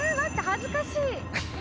恥ずかしい。